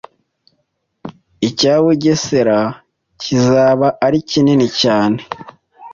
icya Bugesera kizaba ari kinini cyane